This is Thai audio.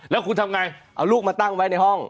แล้วคุณทำไงเอาลูกมาตั้งไว้ในห้อง